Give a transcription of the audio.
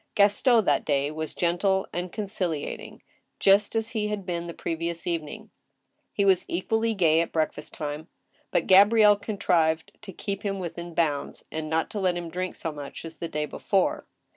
Gaston that day was gentle and conciliating, just as he had been the previous evening. He was equally gay at breakfast time. But Gabrielle contrived to keep him within bounds, and not to let him drink so much as the day before.